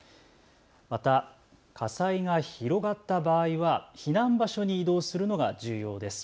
また火災が広がった場合は避難場所に移動するのが重要です。